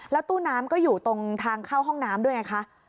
ตู้น้ำก็อยู่ตรงทางเข้าห้องน้ำด้วยไงคะ